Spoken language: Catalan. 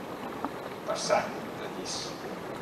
Passar de llis.